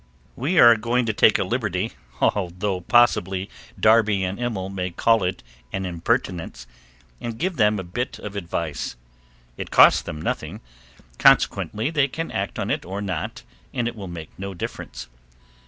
We are going to take a liberty, and possibly Darbee & Immel may call it an impertinence, and give them a bit of advice. It costs them nothing consequently they can act on it or not and it will make no difference.